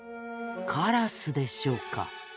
カラスでしょうか？